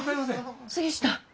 杉下！